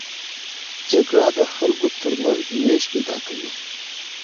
جګړه د خلکو تر منځ وېش پیدا کوي